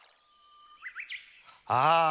ああ！